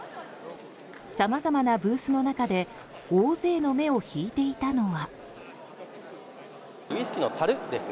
さまざまなブースの中で大勢の目を引いていたのは。